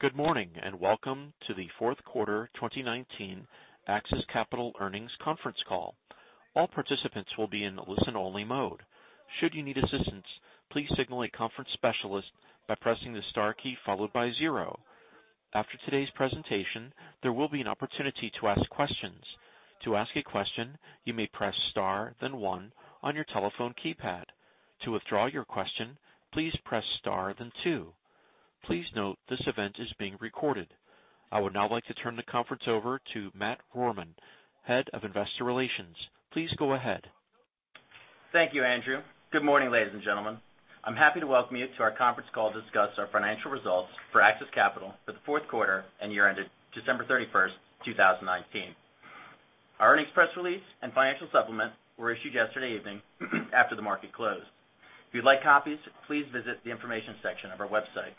Good morning, welcome to the fourth quarter 2019 AXIS Capital earnings conference call. All participants will be in listen-only mode. Should you need assistance, please signal a conference specialist by pressing the star key followed by zero. After today's presentation, there will be an opportunity to ask questions. To ask a question, you may press star then one on your telephone keypad. To withdraw your question, please press star then two. Please note this event is being recorded. I would now like to turn the conference over to Matt Rohrmann, Head of Investor Relations. Please go ahead. Thank you, Andrew. Good morning, ladies and gentlemen. I'm happy to welcome you to our conference call to discuss our financial results for AXIS Capital for the fourth quarter and year ended December 31, 2019. Our earnings press release and financial supplement were issued yesterday evening after the market closed. If you'd like copies, please visit the information section of our website.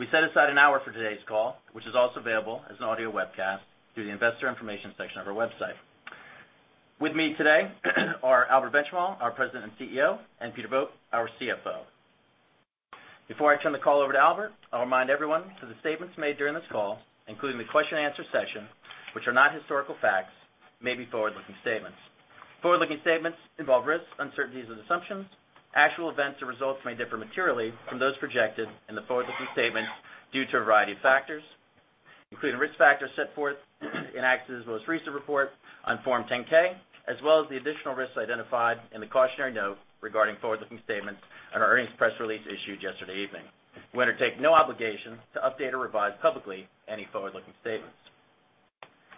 We set aside an hour for today's call, which is also available as an audio webcast through the investor information section of our website. With me today are Albert Benchimol, our President and CEO, and Peter Vogt, our CFO. Before I turn the call over to Albert, I'll remind everyone that the statements made during this call, including the question-and-answer session, which are not historical facts, may be forward-looking statements. Forward-looking statements involve risks, uncertainties, and assumptions. Actual events or results may differ materially from those projected in the forward-looking statements due to a variety of factors, including risk factors set forth in AXIS' most recent report on Form 10-K, as well as the additional risks identified in the cautionary note regarding forward-looking statements on our earnings press release issued yesterday evening. We undertake no obligation to update or revise publicly any forward-looking statements.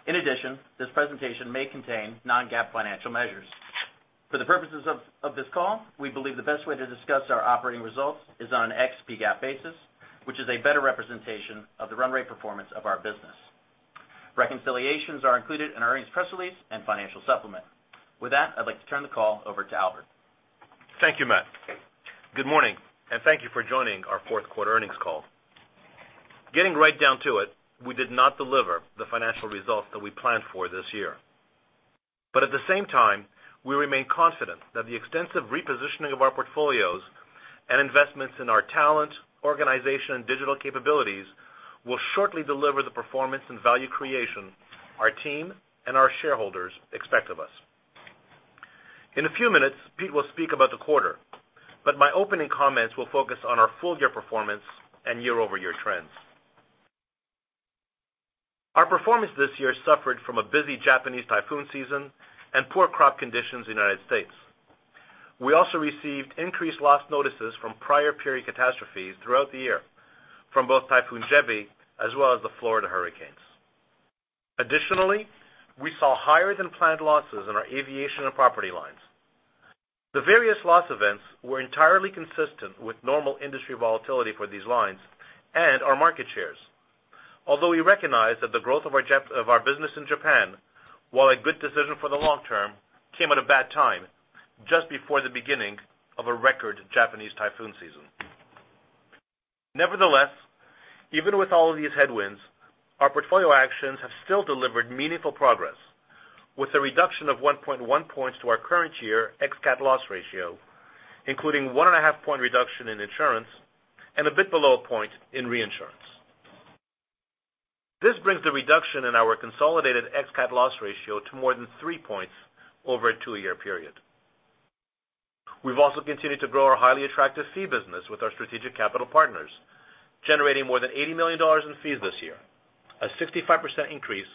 In addition, this presentation may contain non-GAAP financial measures. For the purposes of this call, we believe the best way to discuss our operating results is on an ex-P-GAAP basis, which is a better representation of the run rate performance of our business. Reconciliations are included in our earnings press release and financial supplement. With that, I'd like to turn the call over to Albert. Thank you, Matt. Good morning, thank you for joining our fourth quarter earnings call. Getting right down to it, we did not deliver the financial results that we planned for this year. At the same time, we remain confident that the extensive repositioning of our portfolios and investments in our talent, organization, and digital capabilities will shortly deliver the performance and value creation our team and our shareholders expect of us. In a few minutes, Pete will speak about the quarter. My opening comments will focus on our full-year performance and year-over-year trends. Our performance this year suffered from a busy Japanese typhoon season and poor crop conditions in the United States. We also received increased loss notices from prior period catastrophes throughout the year, from both Typhoon Jebi as well as the Florida hurricanes. Additionally, we saw higher than planned losses in our aviation and property lines. The various loss events were entirely consistent with normal industry volatility for these lines and our market shares. Although we recognize that the growth of our business in Japan, while a good decision for the long term, came at a bad time, just before the beginning of a record Japanese typhoon season. Nevertheless, even with all of these headwinds, our portfolio actions have still delivered meaningful progress with a reduction of 1.1 points to our current year x CAT loss ratio, including one and a half point reduction in insurance and a bit below a point in reinsurance. This brings the reduction in our consolidated x CAT loss ratio to more than three points over a two-year period. We've also continued to grow our highly attractive fee business with our strategic capital partners, generating more than $80 million in fees this year, a 65% increase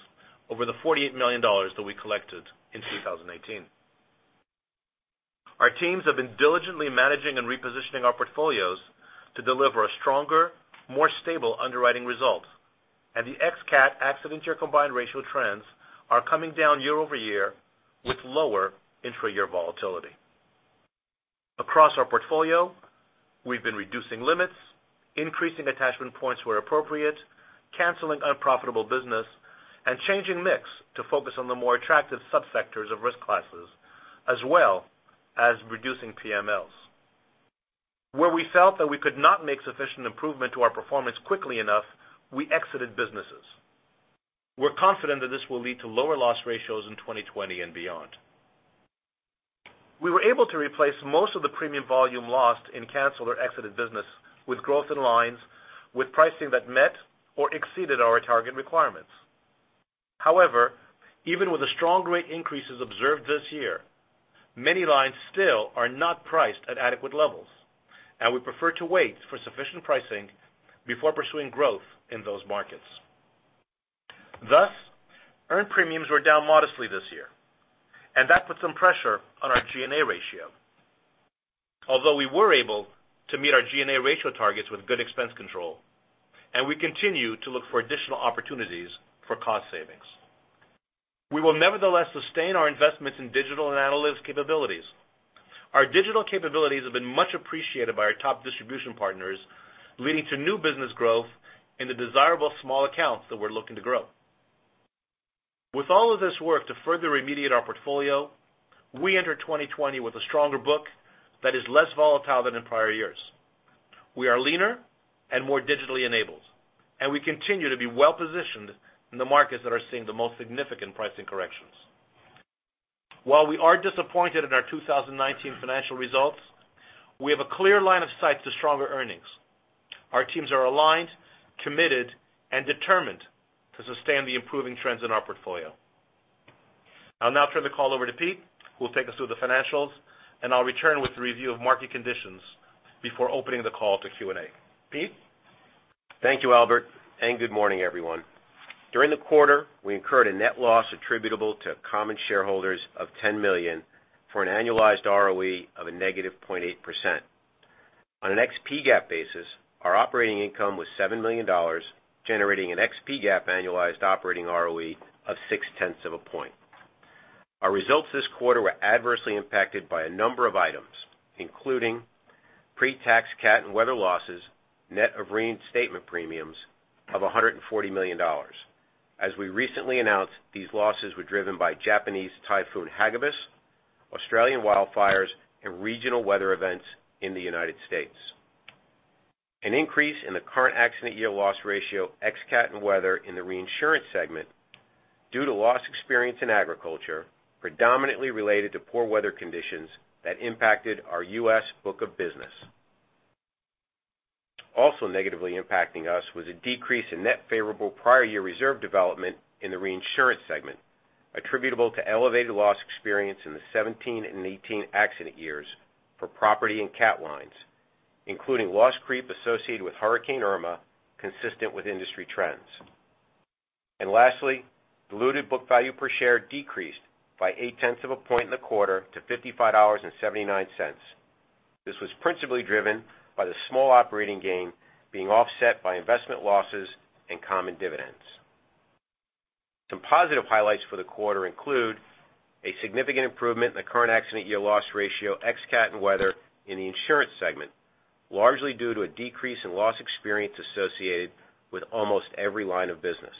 over the $48 million that we collected in 2018. Our teams have been diligently managing and repositioning our portfolios to deliver a stronger, more stable underwriting result. The x CAT accident year combined ratio trends are coming down year-over-year with lower intra-year volatility. Across our portfolio, we've been reducing limits, increasing attachment points where appropriate, canceling unprofitable business, and changing mix to focus on the more attractive subsectors of risk classes, as well as reducing PMLs. Where we felt that we could not make sufficient improvement to our performance quickly enough, we exited businesses. We're confident that this will lead to lower loss ratios in 2020 and beyond. We were able to replace most of the premium volume lost in canceled or exited business with growth in lines with pricing that met or exceeded our target requirements. However, even with the strong rate increases observed this year, many lines still are not priced at adequate levels, we prefer to wait for sufficient pricing before pursuing growth in those markets. Thus, earned premiums were down modestly this year, that put some pressure on our G&A ratio. We were able to meet our G&A ratio targets with good expense control, we continue to look for additional opportunities for cost savings. We will nevertheless sustain our investments in digital and analytics capabilities. Our digital capabilities have been much appreciated by our top distribution partners, leading to new business growth in the desirable small accounts that we're looking to grow. With all of this work to further remediate our portfolio, we enter 2020 with a stronger book that is less volatile than in prior years. We are leaner and more digitally enabled, we continue to be well-positioned in the markets that are seeing the most significant pricing corrections. While we are disappointed in our 2019 financial results, we have a clear line of sight to stronger earnings. Our teams are aligned, committed, and determined to sustain the improving trends in our portfolio. I'll now turn the call over to Pete, who will take us through the financials, I'll return with the review of market conditions before opening the call to Q&A. Pete? Thank you, Albert, good morning, everyone. During the quarter, we incurred a net loss attributable to common shareholders of $10 million for an annualized ROE of a negative 0.8%. On an ex-P-GAAP basis, our operating income was $7 million, generating an ex-P-GAAP annualized operating ROE of six tenths of a point. Our results this quarter were adversely impacted by a number of items, including pre-tax cat and weather losses, net of reinstatement premiums of $140 million. As we recently announced, these losses were driven by Japanese Typhoon Hagibis, Australian wildfires, and regional weather events in the U.S. An increase in the current accident year loss ratio ex-cat and weather in the reinsurance segment due to loss experience in agriculture, predominantly related to poor weather conditions that impacted our U.S. book of business. Also negatively impacting us was a decrease in net favorable prior year reserve development in the reinsurance segment, attributable to elevated loss experience in the 2017 and 2018 accident years for property and cat lines, including loss creep associated with Hurricane Irma, consistent with industry trends. Lastly, diluted book value per share decreased by eight tenths of a point in the quarter to $55.79. This was principally driven by the small operating gain being offset by investment losses and common dividends. Some positive highlights for the quarter include a significant improvement in the current accident year loss ratio ex-cat and weather in the insurance segment, largely due to a decrease in loss experience associated with almost every line of business.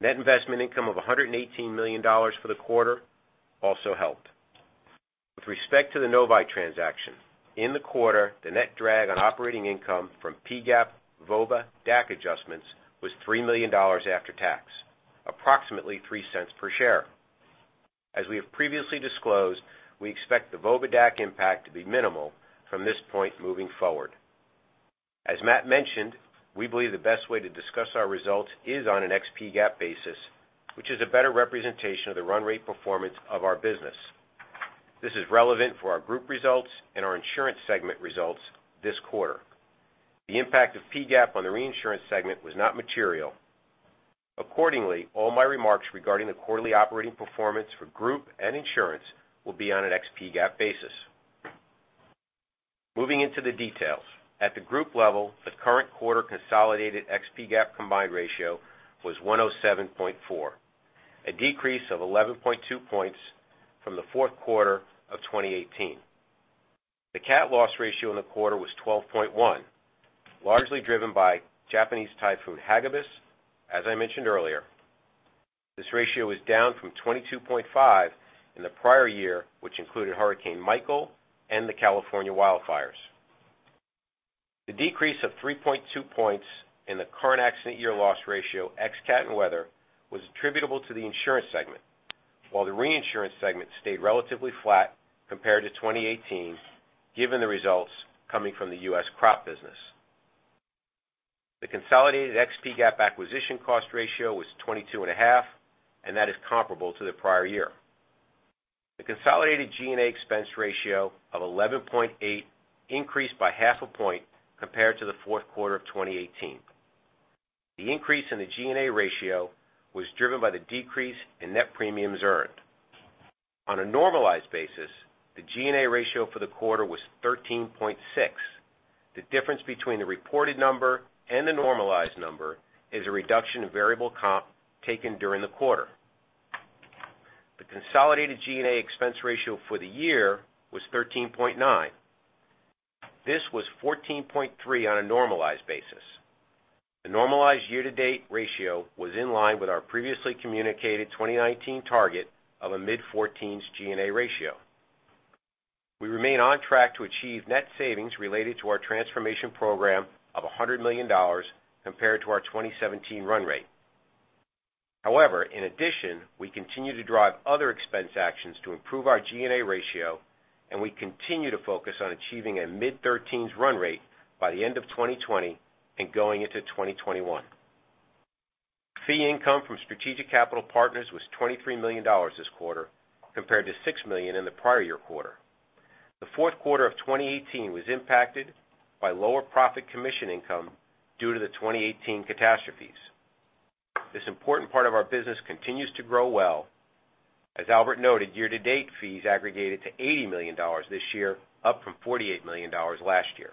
Net investment income of $118 million for the quarter also helped. With respect to the Novae transaction, in the quarter, the net drag on operating income from P-GAAP VOBA DAC adjustments was $3 million after tax, approximately $0.03 per share. As we have previously disclosed, we expect the VOBA DAC impact to be minimal from this point moving forward. As Matt mentioned, we believe the best way to discuss our results is on an ex-P-GAAP basis, which is a better representation of the run rate performance of our business. This is relevant for our group results and our insurance segment results this quarter. The impact of P-GAAP on the reinsurance segment was not material. Accordingly, all my remarks regarding the quarterly operating performance for group and insurance will be on an ex-P-GAAP basis. Moving into the details. At the group level, the current quarter consolidated ex-P-GAAP combined ratio was 107.4, a decrease of 11.2 points from the fourth quarter of 2018. The cat loss ratio in the quarter was 12.1, largely driven by Japanese Typhoon Hagibis, as I mentioned earlier. This ratio is down from 22.5 in the prior year, which included Hurricane Michael and the California wildfires. The decrease of 3.2 points in the current accident year loss ratio ex-cat and weather was attributable to the insurance segment. While the reinsurance segment stayed relatively flat compared to 2018, given the results coming from the U.S. crop business. The consolidated ex-P-GAAP acquisition cost ratio was 22.5, that is comparable to the prior year. The consolidated G&A expense ratio of 11.8 increased by half a point compared to the fourth quarter of 2018. The increase in the G&A ratio was driven by the decrease in net premiums earned. On a normalized basis, the G&A ratio for the quarter was 13.6. The difference between the reported number and the normalized number is a reduction in variable comp taken during the quarter. The consolidated G&A expense ratio for the year was 13.9. This was 14.3 on a normalized basis. The normalized year-to-date ratio was in line with our previously communicated 2019 target of a mid-14s G&A ratio. However, in addition, we continue to drive other expense actions to improve our G&A ratio, and we continue to focus on achieving a mid-13s run rate by the end of 2020 and going into 2021. Fee income from strategic capital partners was $23 million this quarter, compared to $6 million in the prior year quarter. The fourth quarter of 2018 was impacted by lower profit commission income due to the 2018 catastrophes. This important part of our business continues to grow well. As Albert noted, year-to-date fees aggregated to $80 million this year, up from $48 million last year.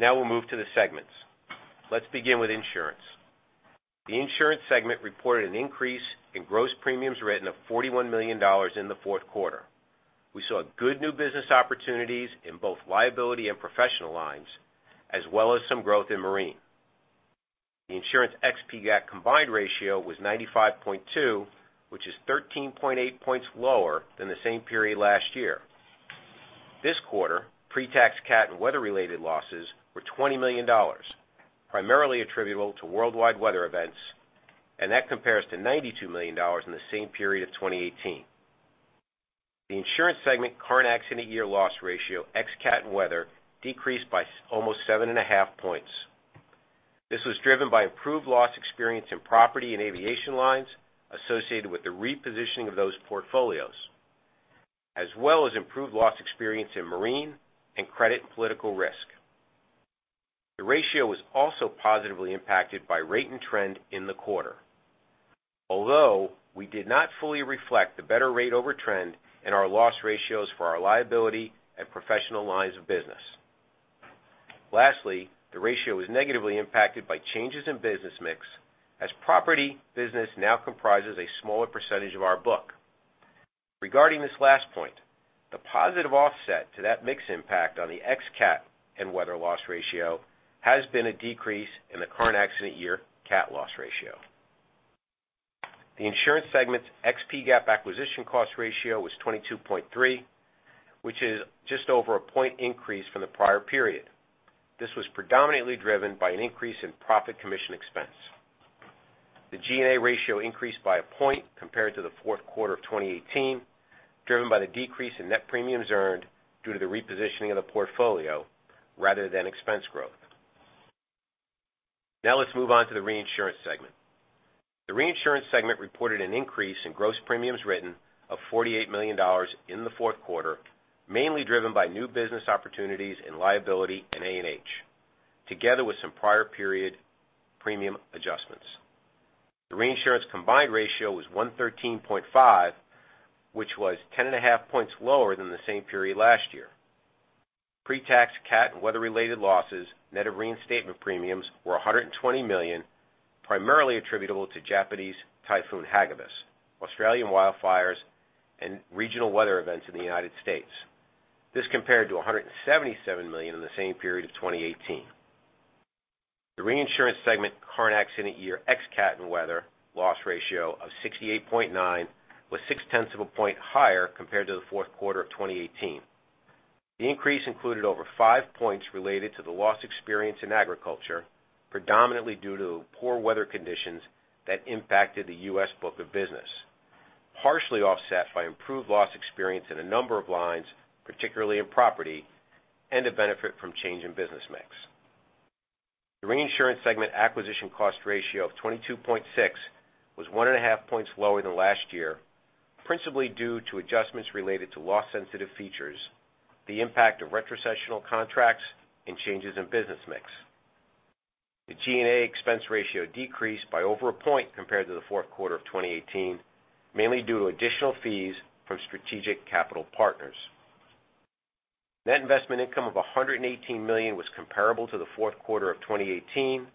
Now we'll move to the segments. Let's begin with Insurance. The Insurance segment reported an increase in gross premiums written of $41 million in the fourth quarter. We saw good new business opportunities in both liability and professional lines, as well as some growth in marine. The Insurance ex-P-GAAP combined ratio was 95.2, which is 13.8 points lower than the same period last year. This quarter, pre-tax cat and weather-related losses were $20 million, primarily attributable to worldwide weather events, and that compares to $92 million in the same period of 2018. The Insurance segment current accident year loss ratio, ex cat and weather, decreased by almost seven and a half points. This was driven by improved loss experience in property and aviation lines associated with the repositioning of those portfolios, as well as improved loss experience in marine and credit and political risk. Although, we did not fully reflect the better rate over trend in our loss ratios for our liability at professional lines of business. Lastly, the ratio was negatively impacted by changes in business mix as property business now comprises a smaller percentage of our book. Regarding this last point, the positive offset to that mix impact on the ex cat and weather loss ratio has been a decrease in the current accident year cat loss ratio. The Insurance segment's ex-P-GAAP acquisition cost ratio was 22.3, which is just over a point increase from the prior period. This was predominantly driven by an increase in profit commission expense. The G&A ratio increased by a point compared to the fourth quarter of 2018, driven by the decrease in net premiums earned due to the repositioning of the portfolio rather than expense growth. Now let's move on to the Reinsurance segment. The Reinsurance segment reported an increase in gross premiums written of $48 million in the fourth quarter, mainly driven by new business opportunities in liability and A&H, together with some prior period premium adjustments. The reinsurance combined ratio was 113.5, which was 10.5 points lower than the same period last year. Pre-tax cat and weather-related losses, net of reinstatement premiums, were $120 million, primarily attributable to Japanese Typhoon Hagibis, Australian wildfires, and regional weather events in the U.S. This compared to $177 million in the same period of 2018. The reinsurance segment current accident year ex-cat and weather loss ratio of 68.9 was 0.6 of a point higher compared to the fourth quarter of 2018. The increase included over 5 points related to the loss experience in agriculture, predominantly due to poor weather conditions that impacted the U.S. book of business, partially offset by improved loss experience in a number of lines, particularly in property, and a benefit from change in business mix. The reinsurance segment acquisition cost ratio of 22.6 was 1.5 points lower than last year, principally due to adjustments related to loss-sensitive features, the impact of retrocessional contracts, and changes in business mix. The G&A expense ratio decreased by over 1 point compared to the fourth quarter of 2018, mainly due to additional fees from strategic capital partners. Net investment income of $118 million was comparable to the fourth quarter of 2018,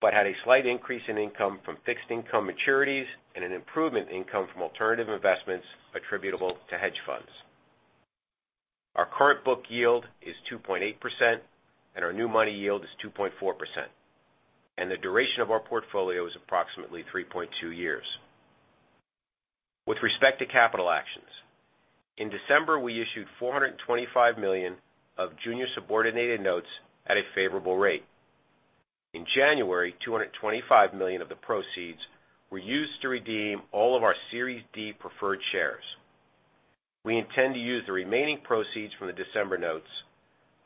but had a slight increase in income from fixed income maturities and an improvement income from alternative investments attributable to hedge funds. Our current book yield is 2.8% and our new money yield is 2.4%, and the duration of our portfolio is approximately 3.2 years. With respect to capital actions, in December, we issued $425 million of junior subordinated notes at a favorable rate. In January, $225 million of the proceeds were used to redeem all of our Series D preferred shares. We intend to use the remaining proceeds from the December notes,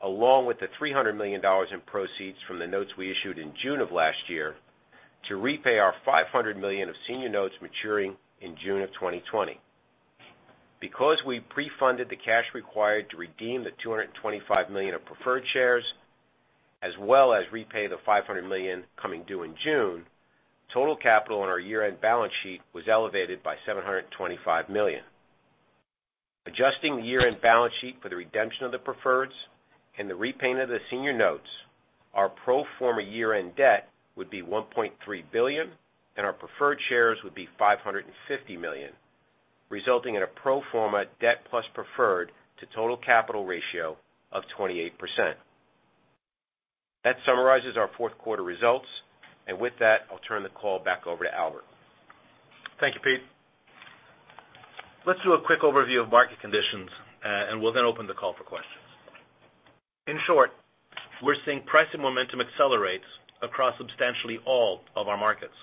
along with the $300 million in proceeds from the notes we issued in June of last year to repay our $500 million of senior notes maturing in June of 2020. Because we pre-funded the cash required to redeem the $225 million of preferred shares, as well as repay the $500 million coming due in June, total capital on our year-end balance sheet was elevated by $725 million. Adjusting the year-end balance sheet for the redemption of the preferreds and the repayment of the senior notes, our pro forma year-end debt would be $1.3 billion, and our preferred shares would be $550 million, resulting in a pro forma debt plus preferred to total capital ratio of 28%. That summarizes our fourth quarter results. With that, I'll turn the call back over to Albert. Thank you, Pete. Let's do a quick overview of market conditions. We'll then open the call for questions. In short, we're seeing pricing momentum accelerate across substantially all of our markets.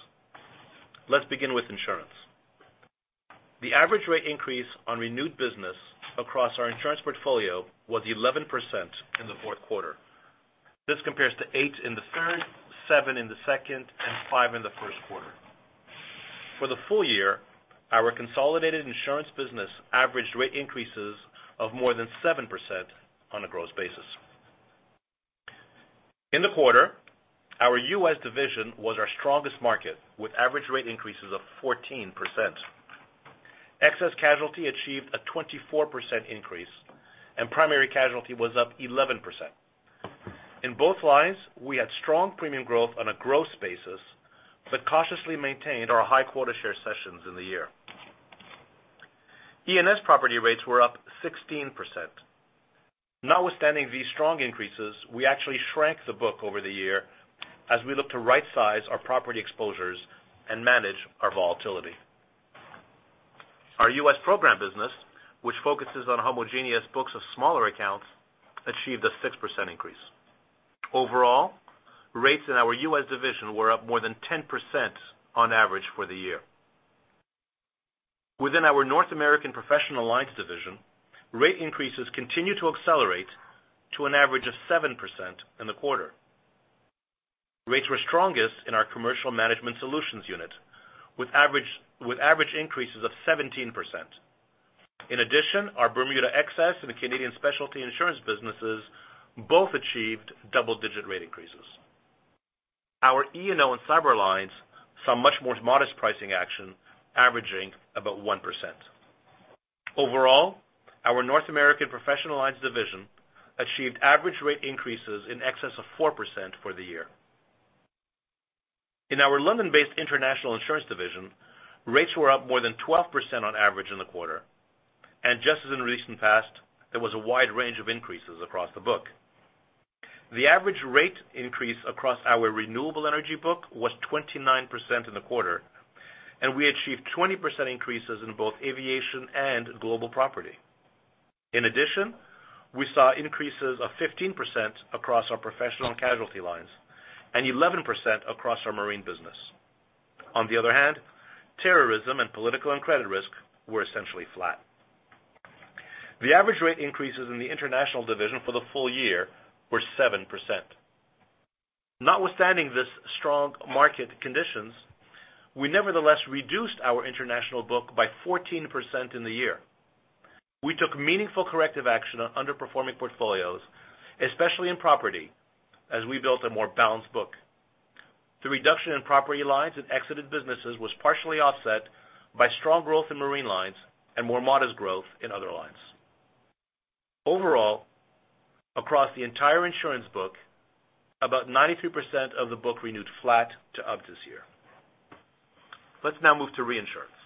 Let's begin with insurance. The average rate increase on renewed business across our insurance portfolio was 11% in the fourth quarter. This compares to eight in the third, seven in the second, and five in the first quarter. For the full year, our consolidated insurance business averaged rate increases of more than 7% on a gross basis. In the quarter, our U.S. division was our strongest market, with average rate increases of 14%. Excess casualty achieved a 24% increase, and primary casualty was up 11%. In both lines, we had strong premium growth on a gross basis but cautiously maintained our high quota share cessions in the year. E&S property rates were up 16%. Notwithstanding these strong increases, we actually shrank the book over the year as we look to right-size our property exposures and manage our volatility. Our U.S. program business, which focuses on homogeneous books of smaller accounts, achieved a 6% increase. Overall, rates in our U.S. division were up more than 10% on average for the year. Within our North American Professional Lines division, rate increases continue to accelerate to an average of 7% in the quarter. Rates were strongest in our commercial management solutions unit, with average increases of 17%. In addition, our Bermuda excess and the Canadian specialty insurance businesses both achieved double-digit rate increases. Our E&O and cyber lines saw much more modest pricing action, averaging about 1%. Overall, our North American Professional Lines division achieved average rate increases in excess of 4% for the year. In our London-based international insurance division, rates were up more than 12% on average in the quarter. Just as in recent past, there was a wide range of increases across the book. The average rate increase across our renewable energy book was 29% in the quarter, and we achieved 20% increases in both aviation and global property. In addition, we saw increases of 15% across our professional and casualty lines and 11% across our marine business. On the other hand, terrorism and political and credit risk were essentially flat. The average rate increases in the international division for the full year were 7%. Notwithstanding these strong market conditions, we nevertheless reduced our international book by 14% in the year. We took meaningful corrective action on underperforming portfolios, especially in property, as we built a more balanced book. The reduction in property lines and exited businesses was partially offset by strong growth in marine lines and more modest growth in other lines. Overall, across the entire insurance book, about 93% of the book renewed flat to up this year. Let's now move to reinsurance.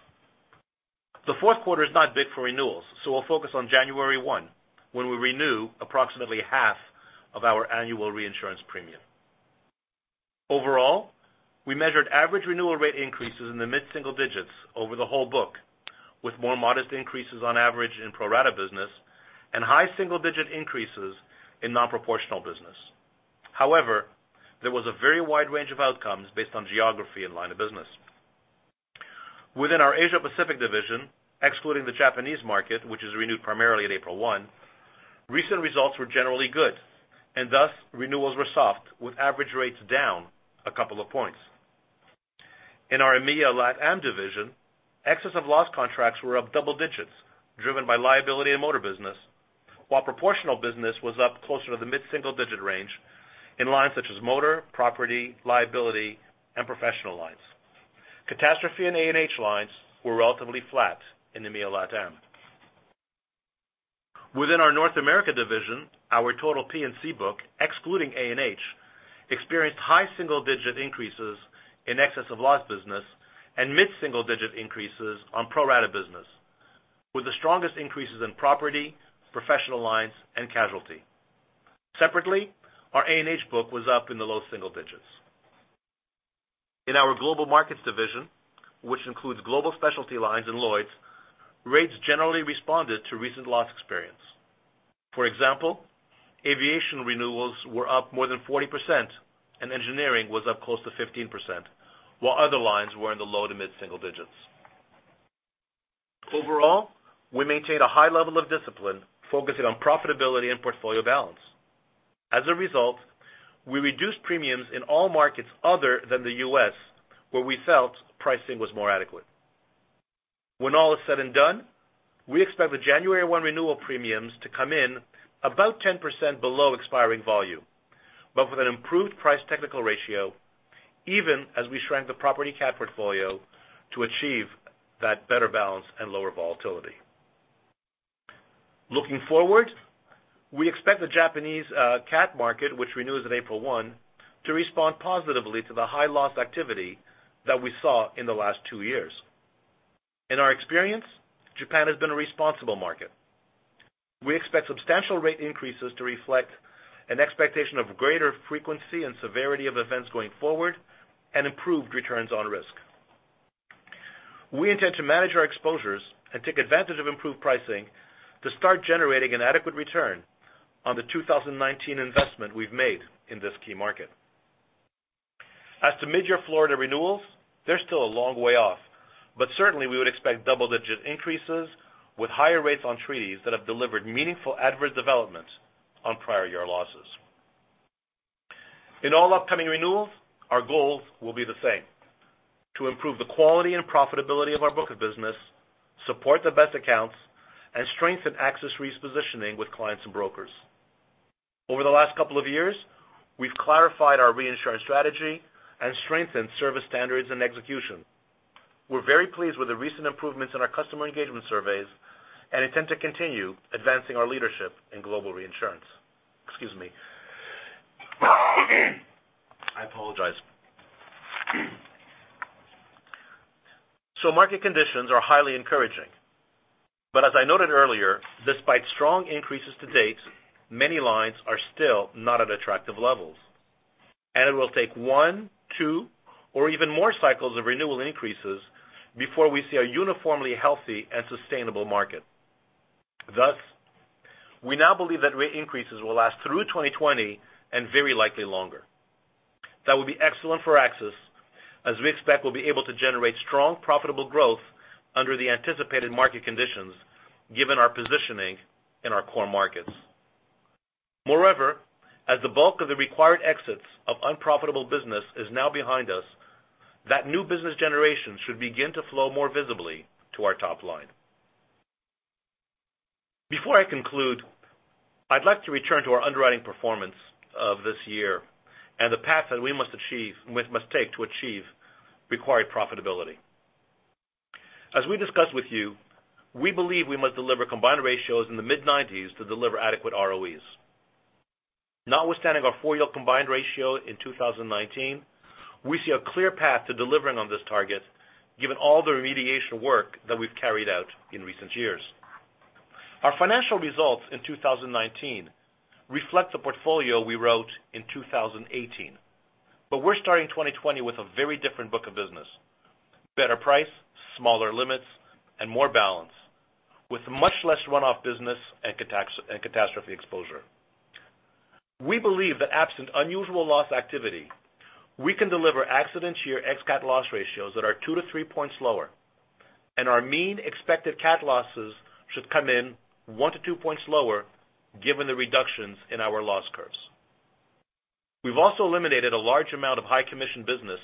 The fourth quarter is not big for renewals. We'll focus on January 1, when we renew approximately half of our annual reinsurance premium. Overall, we measured average renewal rate increases in the mid-single digits over the whole book, with more modest increases on average in pro-rata business and high single-digit increases in non-proportional business. There was a very wide range of outcomes based on geography and line of business. Within our Asia Pacific division, excluding the Japanese market, which is renewed primarily at April 1, recent results were generally good. Thus, renewals were soft, with average rates down a couple of points. In our EMEA LatAm division, excess of loss contracts were up double digits, driven by liability and motor business, while proportional business was up closer to the mid-single digit range in lines such as motor, property, liability, and professional lines. Catastrophe and A&H lines were relatively flat in EMEA LatAm. Within our North America division, our total P&C book, excluding A&H, experienced high single-digit increases in excess of loss business and mid-single-digit increases on pro-rata business, with the strongest increases in property, professional lines, and casualty. Separately, our A&H book was up in the low single digits. In our global markets division, which includes global specialty lines and Lloyd's, rates generally responded to recent loss experience. For example, aviation renewals were up more than 40% and engineering was up close to 15%, while other lines were in the low to mid-single digits. Overall, we maintained a high level of discipline focusing on profitability and portfolio balance. As a result, we reduced premiums in all markets other than the U.S., where we felt pricing was more adequate. When all is said and done, we expect the January 1 renewal premiums to come in about 10% below expiring volume, but with an improved price technical ratio, even as we shrank the property cat portfolio to achieve that better balance and lower volatility. Looking forward, we expect the Japanese cat market, which renews at April 1, to respond positively to the high loss activity that we saw in the last two years. In our experience, Japan has been a responsible market. We expect substantial rate increases to reflect an expectation of greater frequency and severity of events going forward and improved returns on risk. We intend to manage our exposures and take advantage of improved pricing to start generating an adequate return on the 2019 investment we've made in this key market. As to mid-year Florida renewals, they're still a long way off. Certainly, we would expect double-digit increases with higher rates on treaties that have delivered meaningful adverse developments on prior year losses. In all upcoming renewals, our goals will be the same, to improve the quality and profitability of our book of business, support the best accounts, and strengthen AXIS' repositioning with clients and brokers. Over the last couple of years, we've clarified our reinsurance strategy and strengthened service standards and execution. We're very pleased with the recent improvements in our customer engagement surveys and intend to continue advancing our leadership in global reinsurance. Excuse me. I apologize. Market conditions are highly encouraging. As I noted earlier, despite strong increases to date, many lines are still not at attractive levels. It will take one, two, or even more cycles of renewal increases before we see a uniformly healthy and sustainable market. Thus, we now believe that rate increases will last through 2020 and very likely longer. That will be excellent for AXIS, as we expect we'll be able to generate strong profitable growth under the anticipated market conditions, given our positioning in our core markets. As the bulk of the required exits of unprofitable business is now behind us, that new business generation should begin to flow more visibly to our top line. Before I conclude, I'd like to return to our underwriting performance of this year and the path that we must take to achieve required profitability. As we discussed with you, we believe we must deliver combined ratios in the mid-90s to deliver adequate ROEs. Notwithstanding our full-year combined ratio in 2019, we see a clear path to delivering on this target, given all the remediation work that we've carried out in recent years. Our financial results in 2019 reflect the portfolio we wrote in 2018. We're starting 2020 with a very different book of business, better price, smaller limits, and more balance, with much less runoff business and catastrophe exposure. We believe that absent unusual loss activity, we can deliver accident year ex-cat loss ratios that are two to three points lower, and our mean expected cat losses should come in one to two points lower given the reductions in our loss curves. We've also eliminated a large amount of high-commission business,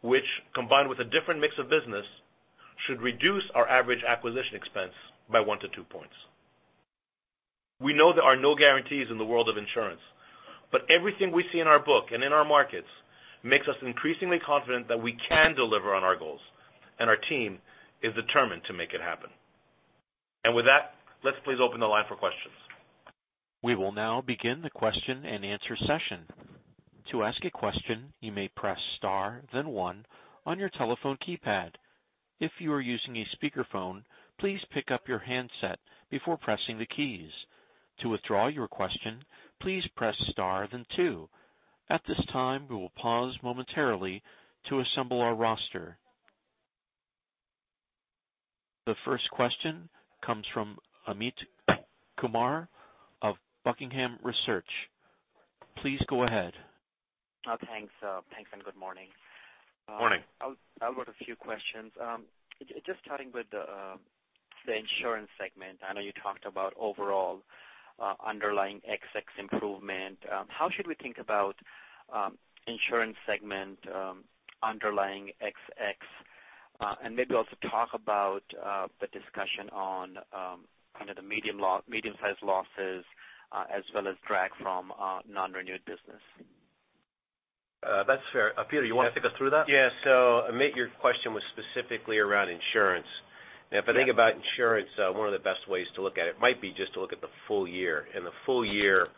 which, combined with a different mix of business, should reduce our average acquisition expense by one to two points. We know there are no guarantees in the world of insurance, but everything we see in our book and in our markets makes us increasingly confident that we can deliver on our goals, and our team is determined to make it happen. With that, let's please open the line for questions. We will now begin the question-and-answer session. To ask a question, you may press star then one on your telephone keypad. If you are using a speakerphone, please pick up your handset before pressing the keys. To withdraw your question, please press star then two. At this time, we will pause momentarily to assemble our roster. The first question comes from Amit Kumar of Buckingham Research. Please go ahead. Thanks. Thanks, good morning. Morning. I've got a few questions. Just starting with the insurance segment. I know you talked about overall underlying ex-cat improvement. How should we think about insurance segment underlying ex-cat, and maybe also talk about the discussion on kind of the mid-size losses as well as drag from non-renewed business? That's fair. Peter, you want to take us through that? Amit, your question was specifically around insurance. If I think about insurance, one of the best ways to look at it might be just to look at the full year. In the full year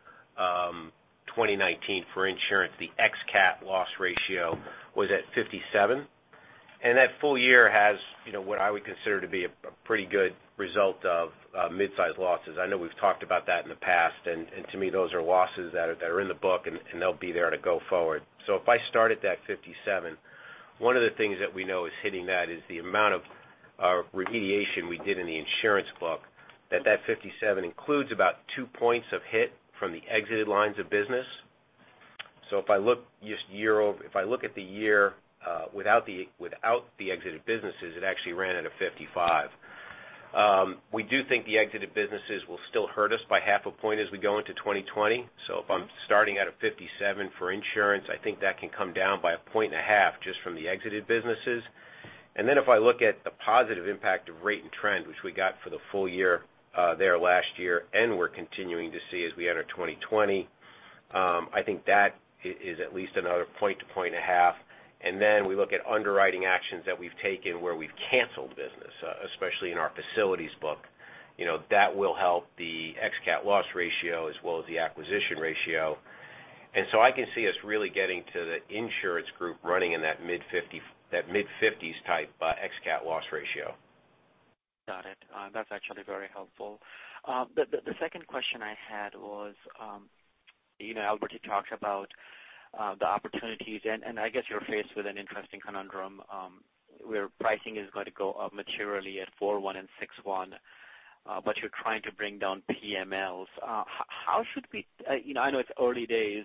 2019 for insurance, the ex-cat loss ratio was at 57, and that full year has what I would consider to be a pretty good result of mid-size losses. I know we've talked about that in the past, and to me, those are losses that are in the book, and they'll be there to go forward. If I start at that 57, one of the things that we know is hitting that is the amount of remediation we did in the insurance book, that that 57 includes about two points of hit from the exited lines of business. If I look at the year without the exited businesses, it actually ran at a 55. We do think the exited businesses will still hurt us by half a point as we go into 2020. If I'm starting at a 57 for insurance, I think that can come down by a point and a half just from the exited businesses. If I look at the positive impact of rate and trend, which we got for the full year there last year and we're continuing to see as we enter 2020, I think that is at least another point to point and a half. We look at underwriting actions that we've taken where we've canceled business, especially in our facilities book. That will help the ex-cat loss ratio as well as the acquisition ratio. I can see us really getting to the insurance group running in that mid-50s type ex-cat loss ratio. Got it. That's actually very helpful. The second question I had was, Albert talked about the opportunities, and I guess you're faced with an interesting conundrum, where pricing is going to go up materially at 4/1 and 6/1, but you're trying to bring down PMLs. I know it's early days.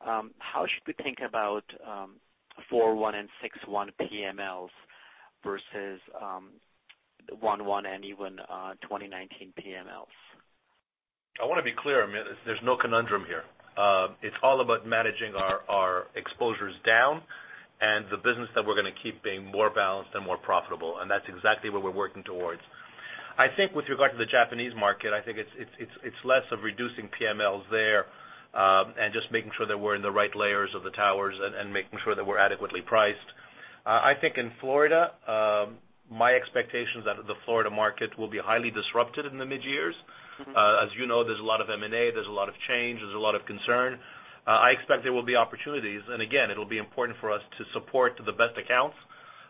How should we think about 4/1 and 6/1 PMLs versus 1/1 and even 2019 PMLs? I want to be clear, Amit. There's no conundrum here. It's all about managing our exposures down and the business that we're going to keep being more balanced and more profitable. That's exactly what we're working towards. I think with regard to the Japanese market, I think it's less of reducing PMLs there and just making sure that we're in the right layers of the towers and making sure that we're adequately priced. I think in Florida, my expectation is that the Florida market will be highly disrupted in the mid-years. As you know, there's a lot of M&A, there's a lot of change, there's a lot of concern. I expect there will be opportunities, and again, it'll be important for us to support the best accounts.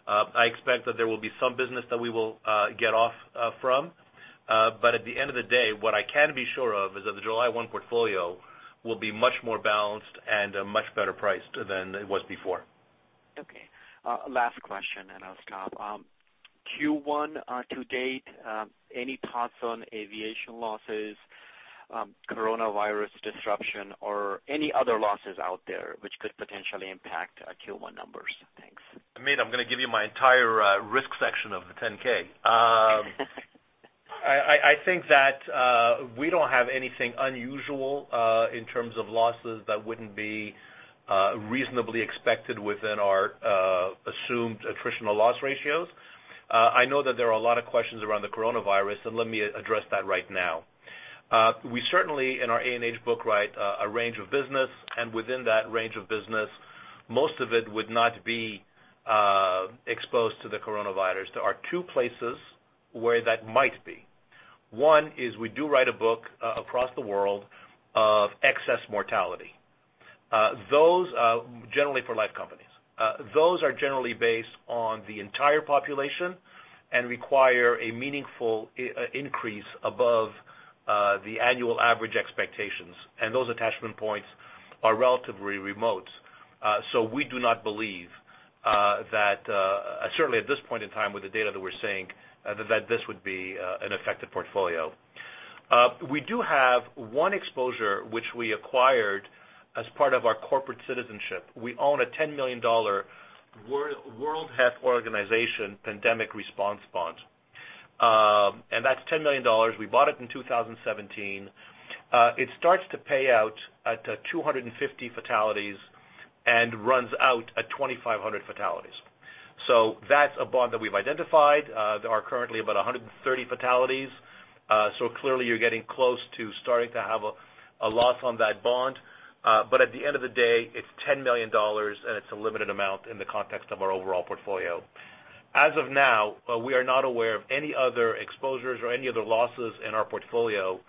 I expect that there will be some business that we will get off from. At the end of the day, what I can be sure of is that the 7/1 portfolio will be much more balanced and much better priced than it was before. Okay. Last question and I'll stop. Q1 to date, any thoughts on aviation losses, coronavirus disruption, or any other losses out there which could potentially impact Q1 numbers? Thanks. Amit, I'm going to give you my entire risk section of the 10-K. I think that we don't have anything unusual in terms of losses that wouldn't be reasonably expected within our assumed attritional loss ratios. I know that there are a lot of questions around the coronavirus, and let me address that right now. We certainly, in our A&H book, write a range of business, and within that range of business, most of it would not be exposed to the coronavirus. There are two places where that might be. One is we do write a book across the world of excess mortality generally for life companies. Those are generally based on the entire population and require a meaningful increase above the annual average expectations, and those attachment points are relatively remote. We do not believe that, certainly at this point in time with the data that we're seeing, that this would be an affected portfolio. We do have one exposure which we acquired as part of our corporate citizenship. We own a $10 million World Health Organization pandemic response bond. That's $10 million. We bought it in 2017. It starts to pay out at 250 fatalities and runs out at 2,500 fatalities. That's a bond that we've identified. There are currently about 130 fatalities. Clearly you're getting close to starting to have a loss on that bond. At the end of the day, it's $10 million, and it's a limited amount in the context of our overall portfolio. As of now, we are not aware of any other exposures or any other losses in our portfolio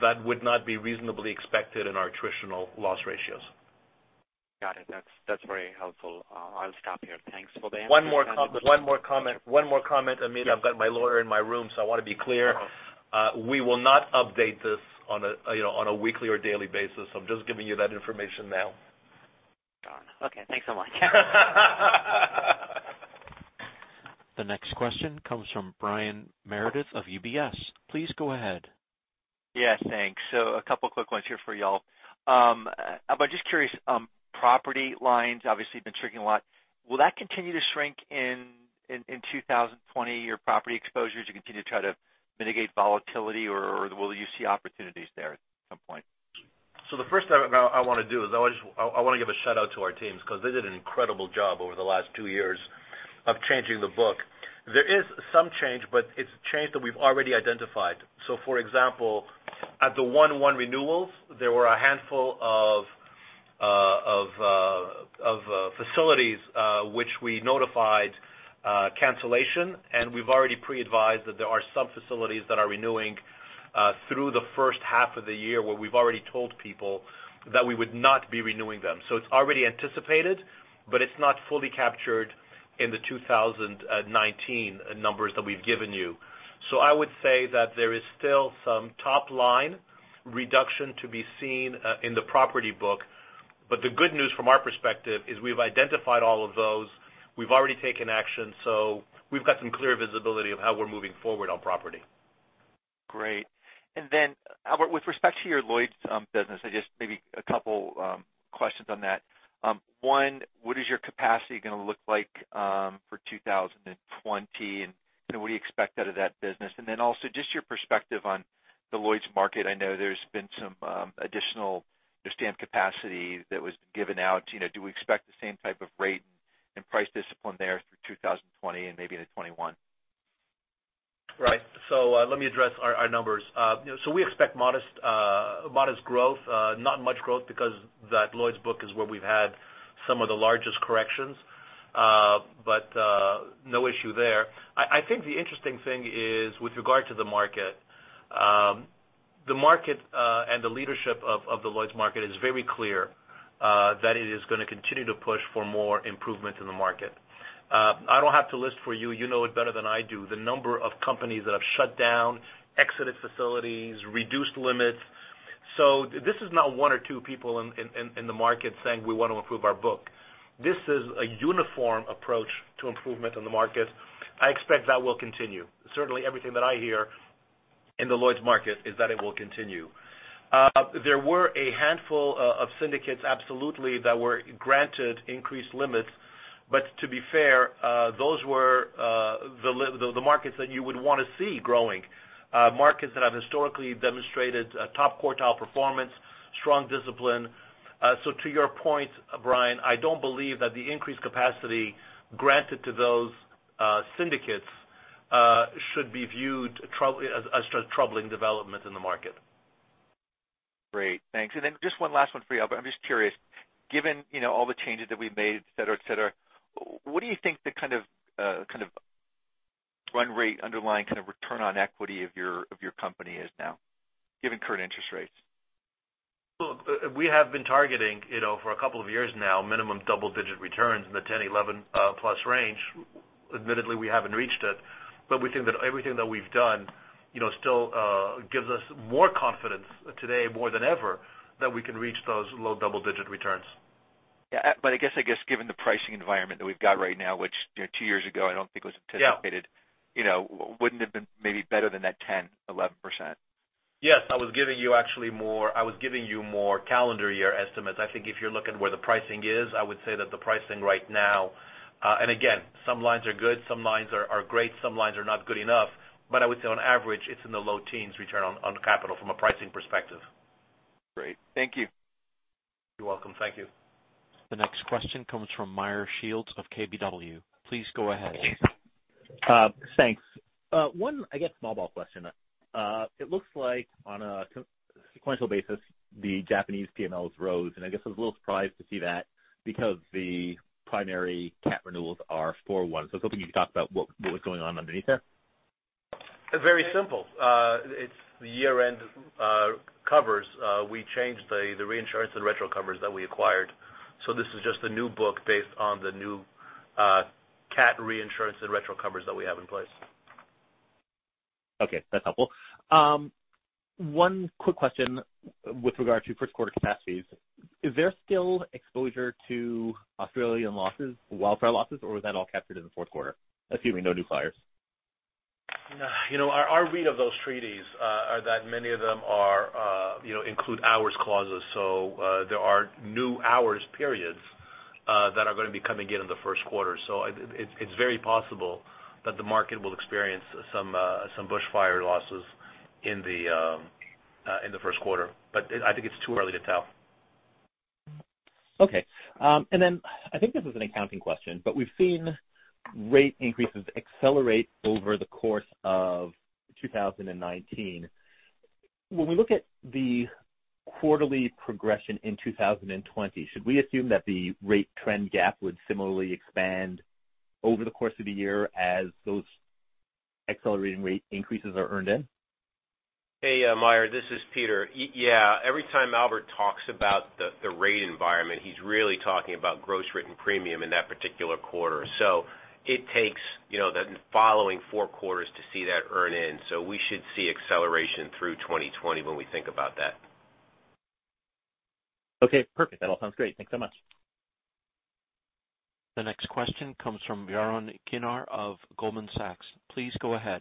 that would not be reasonably expected in our attritional loss ratios. Got it. That's very helpful. I'll stop here. Thanks for the answer. One more comment, Amit. I've got my lawyer in my room. I want to be clear. We will not update this on a weekly or daily basis. I'm just giving you that information now. Got it. Okay, thanks so much. The next question comes from Brian Meredith of UBS. Please go ahead. Yeah, thanks. A couple quick ones here for you all. I'm just curious, property lines obviously been shrinking a lot. Will that continue to shrink in 2020, your property exposures? You continue to try to mitigate volatility or will you see opportunities there at some point? The first thing I want to do is I want to give a shout-out to our teams because they did an incredible job over the last two years of changing the book. There is some change, but it's change that we've already identified. For example, at the 1/1 renewals, there were a handful of facilities which we notified cancellation, and we've already pre-advised that there are some facilities that are renewing through the first half of the year where we've already told people that we would not be renewing them. It's already anticipated, but it's not fully captured in the 2019 numbers that we've given you. I would say that there is still some top-line reduction to be seen in the property book. The good news from our perspective is we've identified all of those. We've already taken action. We've got some clear visibility of how we're moving forward on property. Great. Albert, with respect to your Lloyd's business, just maybe a couple questions on that. One, what is your capacity going to look like for 2020, and what do you expect out of that business? Also just your perspective on the Lloyd's market. I know there's been some additional stamp capacity that was given out. Do we expect the same type of rate and price discipline there through 2020 and maybe into 2021? Right. Let me address our numbers. We expect modest growth, not much growth because that Lloyd's book is where we've had some of the largest corrections. No issue there. I think the interesting thing is with regard to the market, the market and the leadership of the Lloyd's market is very clear that it is going to continue to push for more improvement in the market. I don't have to list for you know it better than I do, the number of companies that have shut down, exited facilities, reduced limits. This is not one or two people in the market saying we want to improve our book. This is a uniform approach to improvement in the market. I expect that will continue. Certainly, everything that I hear in the Lloyd's market is that it will continue. There were a handful of syndicates, absolutely, that were granted increased limits, but to be fair, those were the markets that you would want to see growing, markets that have historically demonstrated top quartile performance, strong discipline. To your point, Brian, I don't believe that the increased capacity granted to those syndicates should be viewed as a troubling development in the market. Great, thanks. Just one last one for you, Albert. I'm just curious, given all the changes that we've made, et cetera, what do you think the kind of run rate underlying kind of return on equity of your company is now, given current interest rates. Look, we have been targeting for a couple of years now, minimum double-digit returns in the 10, 11-plus range. Admittedly, we haven't reached it, but we think that everything that we've done still gives us more confidence today, more than ever, that we can reach those low double-digit returns. Yeah. I guess, given the pricing environment that we've got right now, which two years ago I don't think was anticipated. Yeah wouldn't it have been maybe better than that 10, 11%? Yes, I was giving you more calendar year estimates. I think if you're looking where the pricing is, I would say that the pricing right now, and again, some lines are good, some lines are great, some lines are not good enough, but I would say on average, it's in the low teens return on capital from a pricing perspective. Great. Thank you. You're welcome. Thank you. The next question comes from Meyer Shields of KBW. Please go ahead. Thanks. One, I guess, small ball question. It looks like on a sequential basis, the Japanese PMLs rose, and I guess I was a little surprised to see that because the primary cat renewals are for one. I was hoping you could talk about what was going on underneath that. Very simple. It's the year-end covers. We changed the reinsurance and retro covers that we acquired. This is just the new book based on the new cat reinsurance and retro covers that we have in place. Okay, that's helpful. One quick question with regard to first quarter capacities. Is there still exposure to Australian losses, wildfire losses, or was that all captured in the fourth quarter, assuming no new fires? Our read of those treaties are that many of them include hours clauses, there are new hours periods that are going to be coming in in the first quarter. It's very possible that the market will experience some bush fire losses in the first quarter, but I think it's too early to tell. Okay. I think this is an accounting question, we've seen rate increases accelerate over the course of 2019. When we look at the quarterly progression in 2020, should we assume that the rate trend gap would similarly expand over the course of the year as those accelerating rate increases are earned in? Hey, Meyer, this is Peter. Yeah, every time Albert talks about the rate environment, he's really talking about gross written premium in that particular quarter. It takes the following four quarters to see that earn in. We should see acceleration through 2020 when we think about that. Okay, perfect. That all sounds great. Thanks so much. The next question comes from Yaron Kinar of Goldman Sachs. Please go ahead.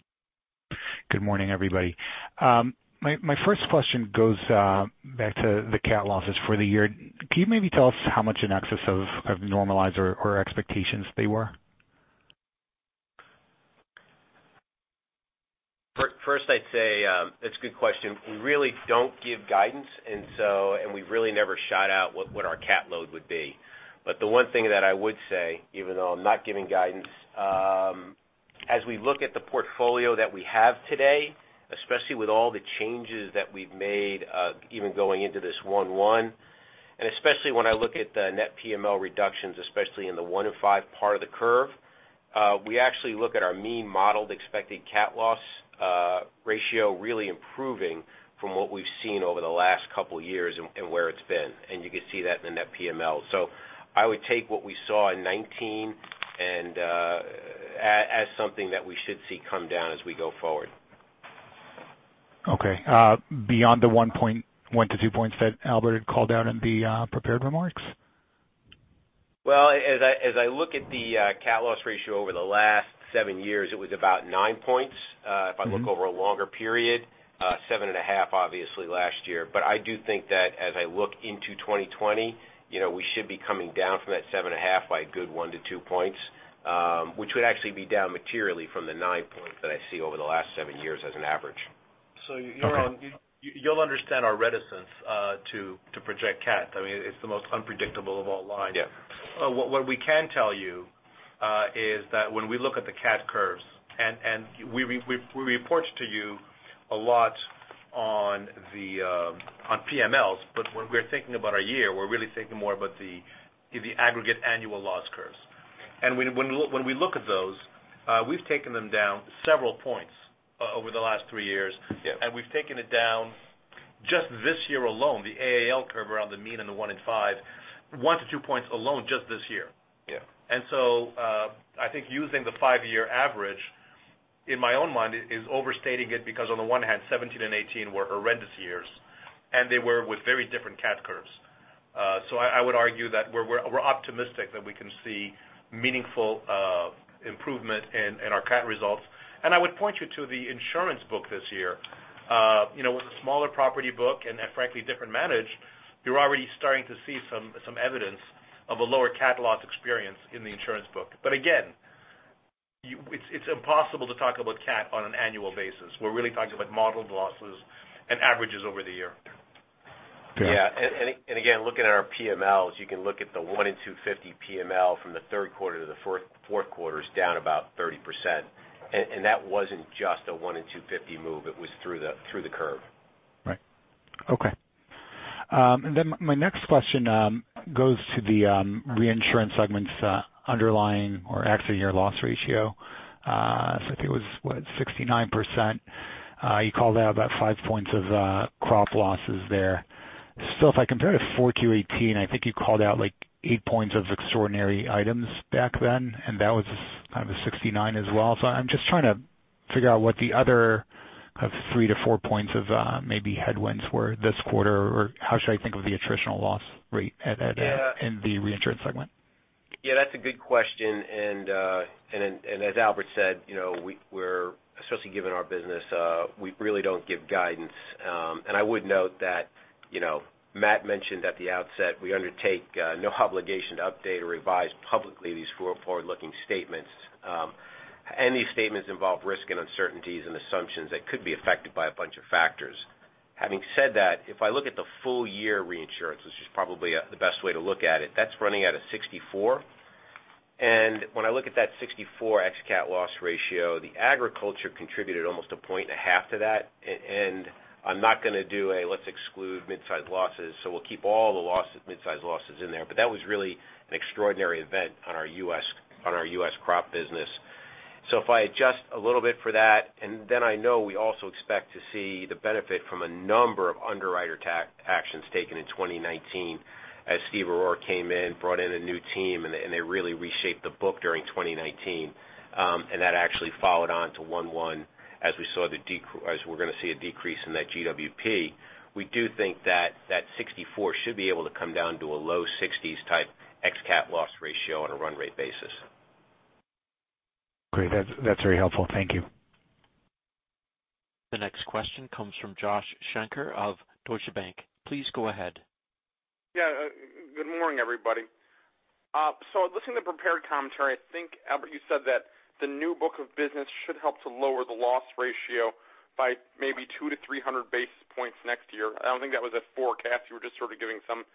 Good morning, everybody. My first question goes back to the cat losses for the year. Can you maybe tell us how much in excess of normalized or expectations they were? First, I'd say, it's a good question. We really don't give guidance and we've really never shot out what our cat load would be. The one thing that I would say, even though I'm not giving guidance, as we look at the portfolio that we have today, especially with all the changes that we've made even going into this 1/1, and especially when I look at the net PML reductions, especially in the one in five part of the curve, we actually look at our mean modeled expected cat loss ratio really improving from what we've seen over the last couple of years and where it's been, and you can see that in the net PML. I would take what we saw in 2019 as something that we should see come down as we go forward. Okay. Beyond the one to two points that Albert had called out in the prepared remarks? As I look at the cat loss ratio over the last seven years, it was about nine points. If I look over a longer period, seven and a half, obviously last year. I do think that as I look into 2020, we should be coming down from that seven and a half by a good one to two points, which would actually be down materially from the nine points that I see over the last seven years as an average. Yaron, you'll understand our reticence to project cat. I mean, it's the most unpredictable of all lines. Yeah. What we can tell you is that when we look at the cat curves, and we report to you a lot on PMLs, but when we're thinking about our year, we're really thinking more about the aggregate annual loss curves. When we look at those, we've taken them down several points over the last three years. Yeah. We've taken it down just this year alone, the AAL curve around the mean and the one in five, one to two points alone just this year. Yeah. I think using the five-year average, in my own mind, is overstating it because on the one hand, 2017 and 2018 were horrendous years, and they were with very different cat curves. I would argue that we're optimistic that we can see meaningful improvement in our cat results. I would point you to the insurance book this year. With a smaller property book and frankly, different manage, you're already starting to see some evidence of a lower cat loss experience in the insurance book. Again, it's impossible to talk about cat on an annual basis. We're really talking about modeled losses and averages over the year. Yeah. Yeah. Again, looking at our PMLs, you can look at the one in 250 PML from the third quarter to the fourth quarter is down about 30%. That wasn't just a one in 250 move, it was through the curve. Right. Okay. My next question goes to the reinsurance segment's underlying or accident year loss ratio. I think it was, what, 69%? You called out about five points of crop losses there. Still, if I compare to 4Q 2018, I think you called out eight points of extraordinary items back then, and that was kind of a 69% as well. I'm just trying to figure out what the other kind of three to four points of maybe headwinds were this quarter, or how should I think of the attritional loss rate in the reinsurance segment? Yeah, that's a good question. As Albert said, especially given our business, we really don't give guidance. I would note that Matt mentioned at the outset, we undertake no obligation to update or revise publicly these forward-looking statements. Any statements involve risk and uncertainties and assumptions that could be affected by a bunch of factors. Having said that, if I look at the full year reinsurance, which is probably the best way to look at it, that's running at a 64%. When I look at that 64% ex cat loss ratio, the agriculture contributed almost a point and a half to that. I'm not going to do a let's exclude mid-size losses, so we'll keep all the mid-size losses in there. But that was really an extraordinary event on our U.S. crop business. If I adjust a little bit for that, I know we also expect to see the benefit from a number of underwriter actions taken in 2019, as Steve Arora came in, brought in a new team, and they really reshaped the book during 2019. That actually followed on to one one, as we're going to see a decrease in that GWP. We do think that that 64% should be able to come down to a low 60s type ex cat loss ratio on a run rate basis. Great. That's very helpful. Thank you. The next question comes from Josh Shanker of Deutsche Bank. Please go ahead. Yeah. Good morning, everybody. Listening to prepared commentary, I think, Albert Benchimol, you said that the new book of business should help to lower the loss ratio by maybe 200 to 300 basis points next year. I don't think that was a forecast. You were just sort of giving some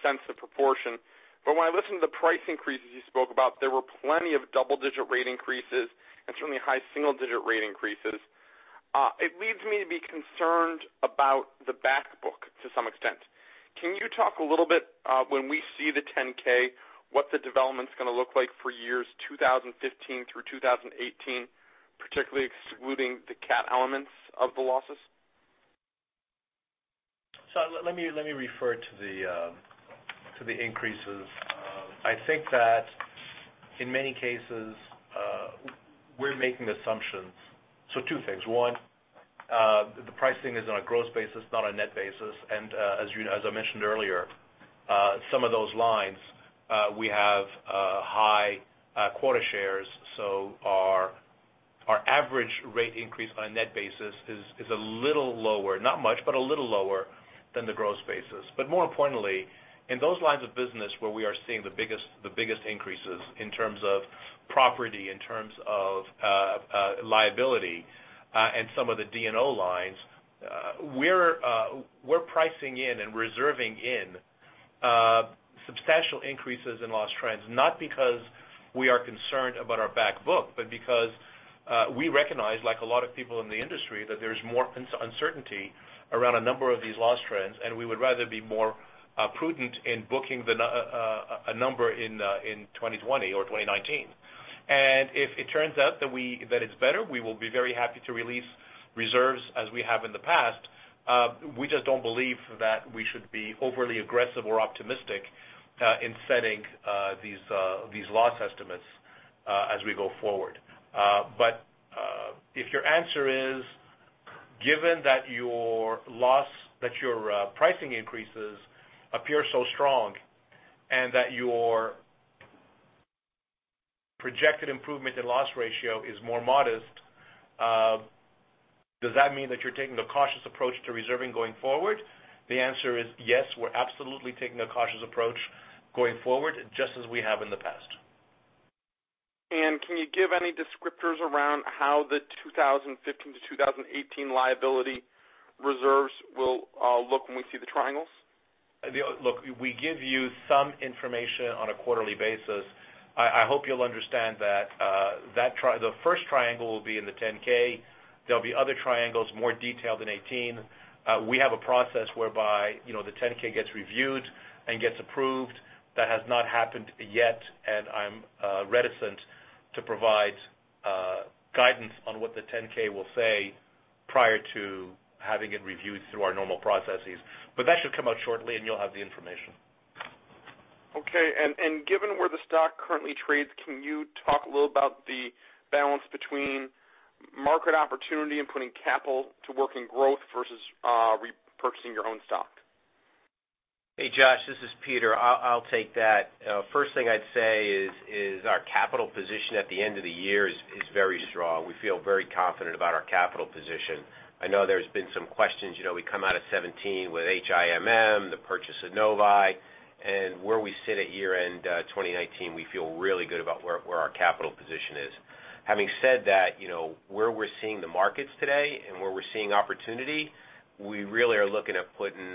sense of proportion. When I listen to the price increases you spoke about, there were plenty of double-digit rate increases and certainly high single-digit rate increases. It leads me to be concerned about the back book to some extent. Can you talk a little bit when we see the Form 10-K, what the development's going to look like for years 2015 through 2018, particularly excluding the cat elements of the losses? Let me refer to the increases. I think that in many cases, we're making assumptions. Two things. One, the pricing is on a gross basis, not a net basis. As I mentioned earlier, some of those lines we have high quota shares, our average rate increase on a net basis is a little lower, not much, but a little lower than the gross basis. More importantly, in those lines of business where we are seeing the biggest increases in terms of property, in terms of liability, and some of the D&O lines, we're pricing in and reserving in substantial increases in loss trends, not because we are concerned about our back book, but because we recognize, like a lot of people in the industry, that there's more uncertainty around a number of these loss trends, and we would rather be more prudent in booking a number in 2020 or 2019. If it turns out that it's better, we will be very happy to release reserves as we have in the past. We just don't believe that we should be overly aggressive or optimistic in setting these loss estimates as we go forward. If your answer is, given that your pricing increases appear so strong and that your projected improvement in loss ratio is more modest, does that mean that you're taking a cautious approach to reserving going forward? The answer is yes. We're absolutely taking a cautious approach going forward, just as we have in the past. Can you give any descriptors around how the 2015 to 2018 liability reserves will look when we see the triangles? Look, we give you some information on a quarterly basis. I hope you'll understand that the first triangle will be in the 10-K. There'll be other triangles, more detailed in 2018. We have a process whereby the 10-K gets reviewed and gets approved. That has not happened yet, and I'm reticent to provide guidance on what the 10-K will say prior to having it reviewed through our normal processes. That should come out shortly, and you'll have the information. Okay. Given where the stock currently trades, can you talk a little about the balance between market opportunity and putting capital to working growth versus repurchasing your own stock? Hey, Josh, this is Peter. I'll take that. First thing I'd say is our capital position at the end of the year is very strong. We feel very confident about our capital position. I know there's been some questions. We come out of 2017 with HIM, the purchase of Novae, and where we sit at year-end 2019, we feel really good about where our capital position is. Having said that, where we're seeing the markets today and where we're seeing opportunity, we really are looking at putting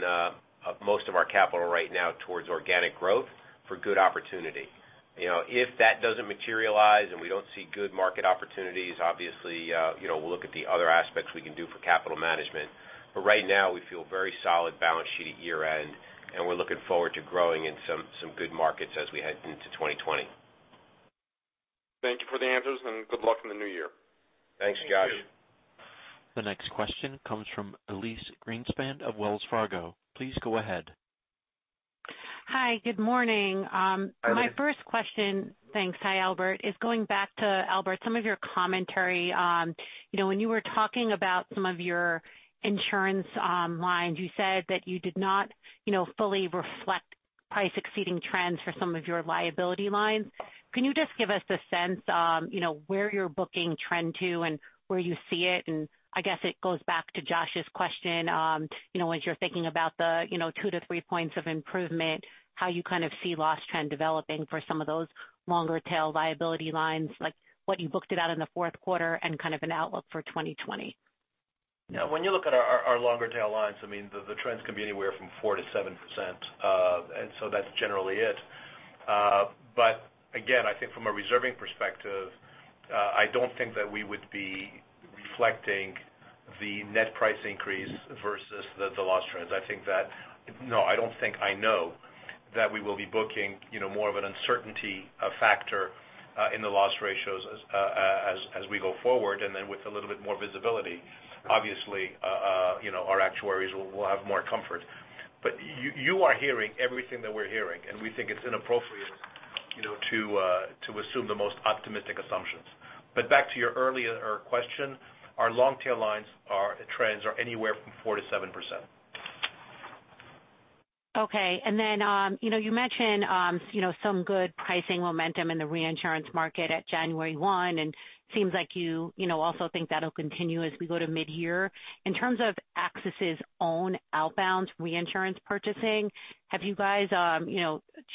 most of our capital right now towards organic growth for good opportunity. If that doesn't materialize and we don't see good market opportunities, obviously, we'll look at the other aspects we can do for capital management. Right now, we feel very solid balance sheet at year-end, and we're looking forward to growing in some good markets as we head into 2020. Thank you for the answers. Good luck in the new year. Thanks, Josh. Thank you. The next question comes from Elyse Greenspan of Wells Fargo. Please go ahead. Hi, good morning. Hi, Elyse. My first question. Thanks. Hi, Albert, is going back to, Albert, some of your commentary. When you were talking about some of your insurance lines, you said that you did not fully reflect price exceeding trends for some of your liability lines. Can you just give us a sense where you're booking trend to and where you see it? I guess it goes back to Josh's question, as you're thinking about the two to three points of improvement, how you kind of see loss trend developing for some of those longer tail liability lines, like what you booked it out in the fourth quarter and kind of an outlook for 2020. When you look at our longer tail lines, the trends can be anywhere from 4%-7%. That's generally it. Again, I think from a reserving perspective, I don't think that we would be reflecting the net price increase versus the loss trends. No, I don't think I know that we will be booking more of an uncertainty factor in the loss ratios as we go forward, and then with a little bit more visibility. Obviously, our actuaries will have more comfort. You are hearing everything that we're hearing, and we think it's inappropriate to assume the most optimistic assumptions. Back to your earlier question, our long tail lines trends are anywhere from 4%-7%. Okay. Then, you mentioned some good pricing momentum in the reinsurance market at January 1, and seems like you also think that'll continue as we go to mid-year. In terms of AXIS' own outbound reinsurance purchasing, have you guys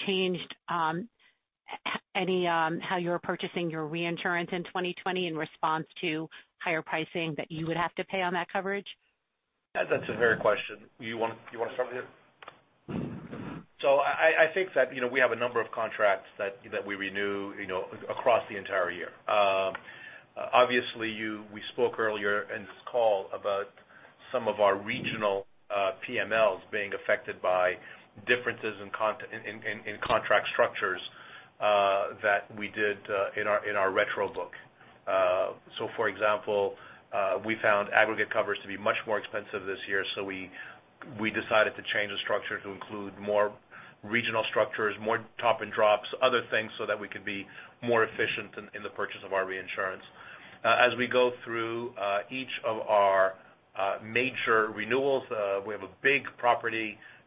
changed how you're purchasing your reinsurance in 2020 in response to higher pricing that you would have to pay on that coverage? That's a great question. You want to start with it? I think that we have a number of contracts that we renew across the entire year. Obviously, we spoke earlier in this call about some of our regional PMLs being affected by differences in contract structures that we did in our retro book. For example, we found aggregate covers to be much more expensive this year, so we decided to change the structure to include more regional structures, more top and drops, other things, so that we could be more efficient in the purchase of our reinsurance. As we go through each of our major renewals, we have a big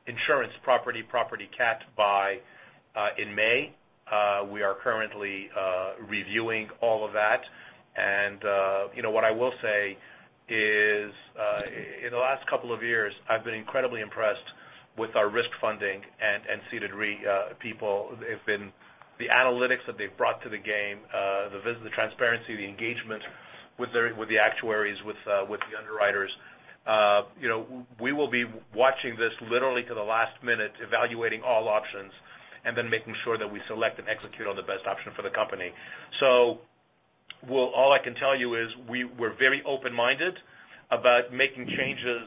insurance property cat buy in May. We are currently reviewing all of that, and what I will say is in the last couple of years, I've been incredibly impressed with our risk funding and ceded re-people. The analytics that they've brought to the game, the visibility, transparency, the engagement with the actuaries, with the underwriters. We will be watching this literally to the last minute, evaluating all options, and then making sure that we select and execute on the best option for the company. All I can tell you is we're very open-minded about making changes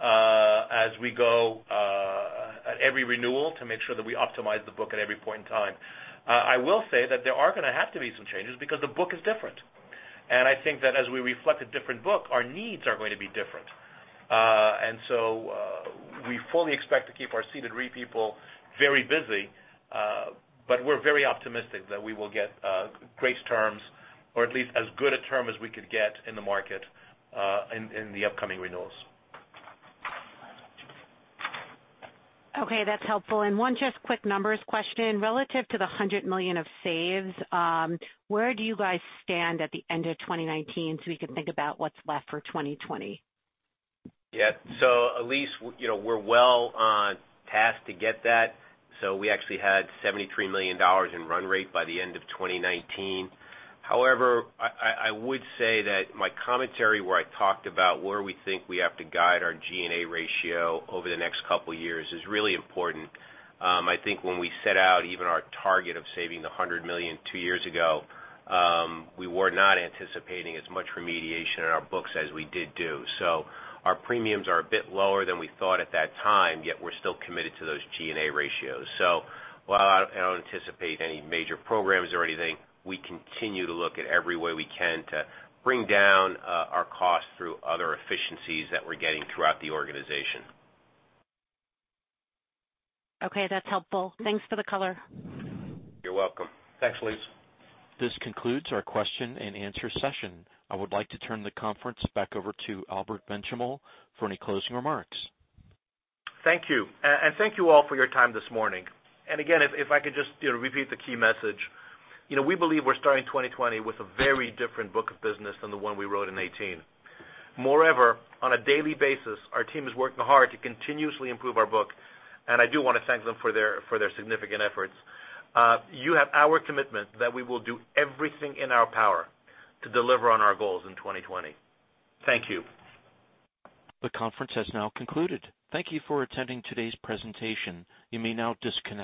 as we go at every renewal to make sure that we optimize the book at every point in time. I will say that there are going to have to be some changes because the book is different. I think that as we reflect a different book, our needs are going to be different. We fully expect to keep our ceded re-people very busy, but we're very optimistic that we will get great terms or at least as good a term as we could get in the market in the upcoming renewals. Okay, that's helpful. One just quick numbers question. Relative to the $100 million of saves, where do you guys stand at the end of 2019 so we can think about what's left for 2020? Yeah. Elyse, we're well on task to get that. We actually had $73 million in run rate by the end of 2019. However, I would say that my commentary where I talked about where we think we have to guide our G&A ratio over the next couple of years is really important. I think when we set out even our target of saving the $100 million two years ago, we were not anticipating as much remediation in our books as we did do. Our premiums are a bit lower than we thought at that time, yet we're still committed to those G&A ratios. While I don't anticipate any major programs or anything, we continue to look at every way we can to bring down our costs through other efficiencies that we're getting throughout the organization. Okay, that's helpful. Thanks for the color. You're welcome. Thanks, Elyse. This concludes our question and answer session. I would like to turn the conference back over to Albert Benchimol for any closing remarks. Thank you. Thank you all for your time this morning. Again, if I could just repeat the key message. We believe we're starting 2020 with a very different book of business than the one we wrote in 2018. Moreover, on a daily basis, our team is working hard to continuously improve our book, and I do want to thank them for their significant efforts. You have our commitment that we will do everything in our power to deliver on our goals in 2020. Thank you. The conference has now concluded. Thank you for attending today's presentation. You may now disconnect.